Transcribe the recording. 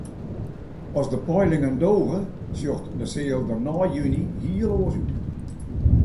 As de peilingen doge, sjocht de seal der nei juny hiel oars út.